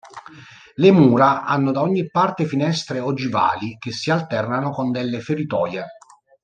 Le mura hanno da ogni parte finestre ogivali che si alternano con delle feritoie.